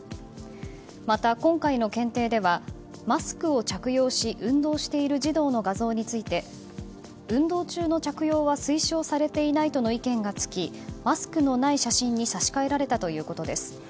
また、今回の検定ではマスクを着用し運動している児童の画像について運動中の着用は推奨されていないとの意見がつきマスクのない写真に差し替えられたということです。